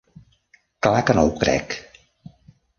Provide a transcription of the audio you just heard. Clar que no ho crec!